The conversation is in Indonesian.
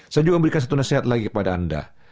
saya juga memberikan satu nasihat lagi kepada anda